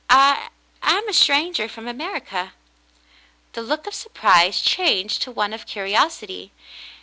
I — I am a stranger from America." The look of surprise changed to one of curi^ osity.